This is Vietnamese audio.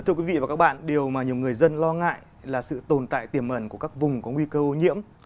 thưa quý vị và các bạn điều mà nhiều người dân lo ngại là sự tồn tại tiềm ẩn của các vùng có nguy cơ ô nhiễm